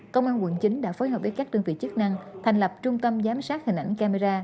công an quận chín đã phối hợp với các đơn vị chức năng thành lập trung tâm giám sát hình ảnh camera